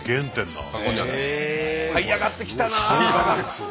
はい上がってきたな。